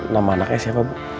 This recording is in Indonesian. nama anaknya siapa bu